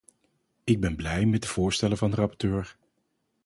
Ik ben blij met de voorstellen van de rapporteur.